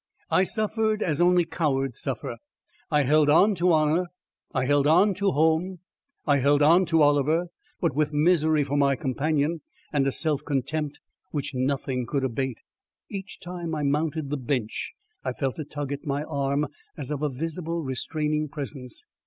I suffered as only cowards suffer. I held on to honour; I held on to home; I held on to Oliver, but with misery for my companion and a self contempt which nothing could abate. Each time I mounted the Bench, I felt a tug at my arm as of a visible, restraining presence.